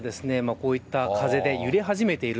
こういった風で揺れ始めている。